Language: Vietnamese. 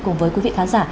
cùng với quý vị khán giả